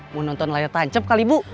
mau nonton layar tancap kali bu